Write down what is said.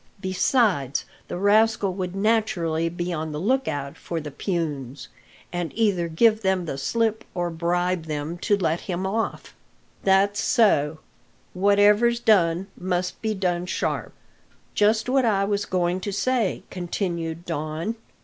Besides, the rascal would naturally be on the look out for the peons, and either give them the slip or bribe them to let him off." "That's so; whatever's done must be done sharp." "Just what I was going to say," continued Don.